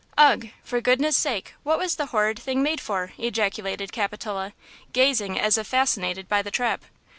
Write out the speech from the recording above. "Ugh! for goodness' sake what was the horrid thing made for?" ejaculated Capitola, gazing as if fascinated by the trap.